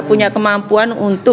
punya kemampuan untuk